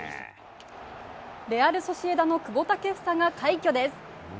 レアル・ソシエダの久保建英が快挙です。